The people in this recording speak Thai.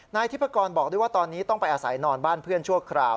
นายทิพกรบอกด้วยว่าตอนนี้ต้องไปอาศัยนอนบ้านเพื่อนชั่วคราว